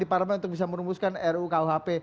di parlamen untuk bisa merumuskan ru kuhp